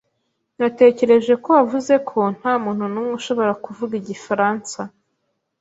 Natekereje ko wavuze ko ntamuntu numwe ushobora kuvuga igifaransa.